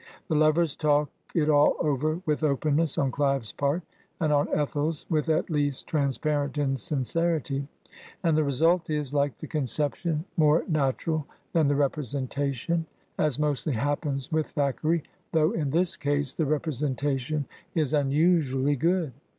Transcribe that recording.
The lovers talk it all over with openness on Clive's part, and on Ethel's with at least transparent insincerity; and the result is, like the conception, more natural than the representation, as mostly happens with Thackeray, though in this case the representation is imusually good.